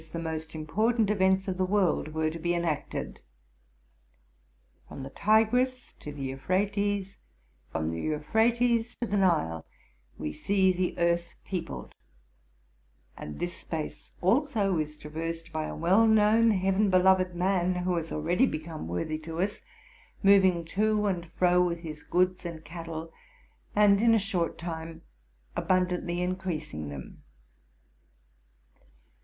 the most important events of the world were to be enacted. From the Tigris to the Euphrates, from the Euphrates to the Nile, we see the earth peopled; and this space also is traversed by a well known, heaven beloved man, who has already become worthy to us, moving to and fro with his goods 'and cattle, and, in a short time, abundantly increasing them.